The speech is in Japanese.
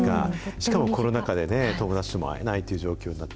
しかもコロナ禍でね、友達とも会えないという状況になって。